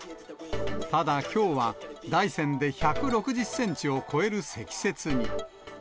ただ、きょうは大山で１６０センチを超える積雪に。